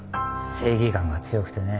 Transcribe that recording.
正義感が強くてね